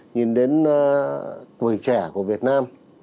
nhìn đến tuổi trẻ của việt nam